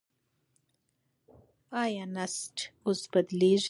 ایا نسج اوس بدلېږي؟